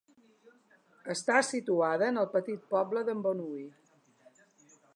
Està situada en el petit poble d'Embonui.